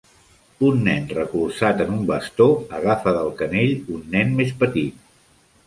Un nen recolzat en un bastó agafa del canell un nen més petit.